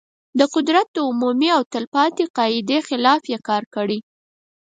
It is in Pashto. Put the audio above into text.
د قدرت د عمومي او تل پاتې قاعدې خلاف یې عمل کړی.